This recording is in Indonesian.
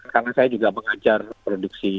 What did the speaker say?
karena saya juga mengajar produksi